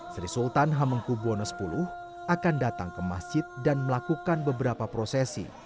sri sultan hamengkubwono x akan datang ke masjid dan melakukan beberapa prosesi